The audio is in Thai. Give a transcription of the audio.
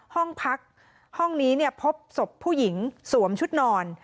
ห้องพักห้องนี้พบศพผู้หญิงสวมชุดนอน